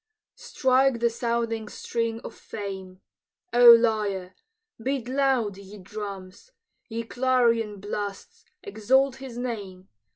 Strike the sounding string of fame, O lyre! Beat loud, ye drums! Ye clarion blasts, exalt his name!